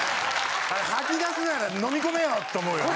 吐き出すなら飲み込めよって思うよね。